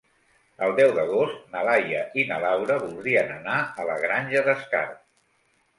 El deu d'agost na Laia i na Laura voldrien anar a la Granja d'Escarp.